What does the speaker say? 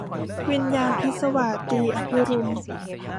วิญญาณพิศวาส - ตรี อภิรุม